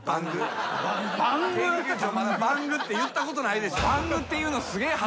まだバングって言ったことないでしょ？